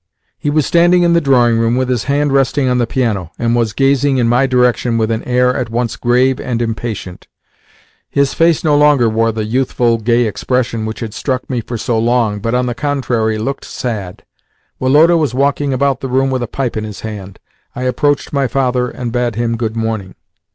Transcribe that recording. He was standing in the drawing room, with his hand resting on the piano, and was gazing in my direction with an air at once grave and impatient. His face no longer wore the youthful, gay expression which had struck me for so long, but, on the contrary, looked sad. Woloda was walking about the room with a pipe in his hand. I approached my father, and bade him good morning.